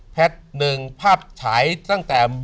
แพทย์ภาพฉายตั้งแต่